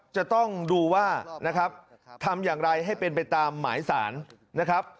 จะต้องดูว่านะครับทำอย่างไรให้เป็นไปตามหมายสารนะครับ